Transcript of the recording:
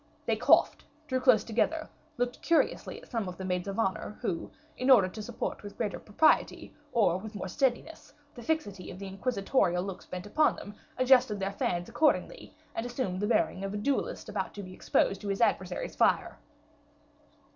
They coughed, drew closer together, looked curiously at some of the maids of honor, who, in order to support with greater propriety, or with more steadiness, the fixity of the inquisitorial looks bent upon them, adjusted their fans accordingly, and assumed the bearing of a duelist about to be exposed to his adversary's fire.